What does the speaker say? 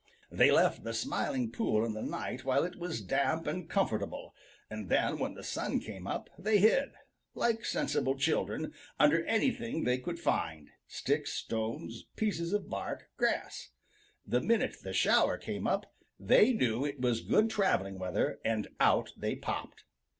They left the Smiling Pool in the night while it was damp and comfortable, and then, when the sun came up, they hid, like sensible children, under anything they could find, sticks, stones, pieces of bark, grass. The minute this shower came up, they knew it was good traveling weather and out they popped."